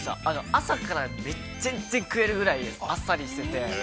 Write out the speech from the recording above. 朝から全然食えるぐらいあっさりしてて。